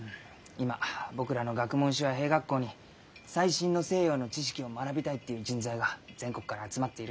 今僕らの学問所や兵学校に最新の西洋の知識を学びたいという人材が全国から集まっているんです。